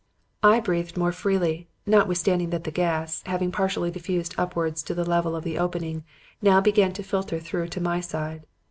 "I breathed more freely, notwithstanding that the gas, having partially diffused upwards to the level of the opening, now began to filter through to my side.